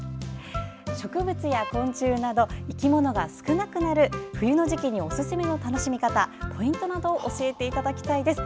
植物や昆虫など生き物が少なくなる冬の時期におすすめの楽しみ方ポイントなどを教えていただきたいです。